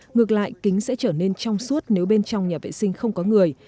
ngược lại kính sẽ trở nên trong suốt nếu bên trong nhà vệ sinh không có người